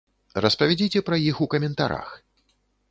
Распавядзіце пра іх у каментарах!